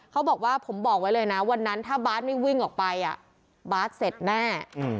เขาบอกว่าผมบอกไว้เลยนะวันนั้นถ้าบาทไม่วิ่งออกไปบาสเสร็จแน่